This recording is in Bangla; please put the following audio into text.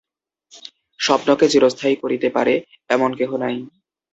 স্বপ্নকে চিরস্থায়ী করিতে পারে, এমন কেহ নাই।